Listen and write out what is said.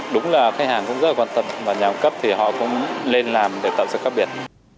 đúng là khách hàng cũng rất là quan tâm và nhà cung cấp thì họ cũng lên làm để tạo sự khác biệt